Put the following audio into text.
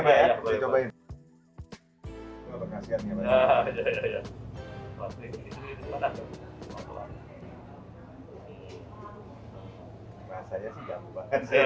masa aja sih jamu banget